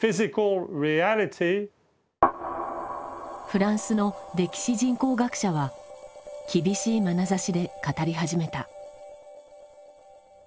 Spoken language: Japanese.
フランスの歴史人口学者は厳しいまなざしで語り始めた。